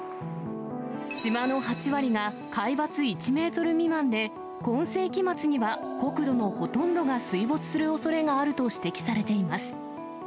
島の８割が海抜１メートル未満で、今世紀末には国土のほとんどが水没するおそれがあると指摘されています。